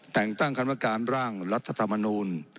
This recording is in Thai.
แต่งตั้งคณะการร่างรัฐธรรมนูล